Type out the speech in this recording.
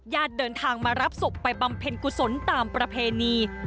ญาติเดินทางมารับศพไปบำเพ็ญกุศลตามประเพณี